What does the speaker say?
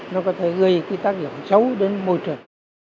nó có thể gây cái tác dụng xấu đến môi trường